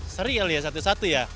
serial ya satu satu ya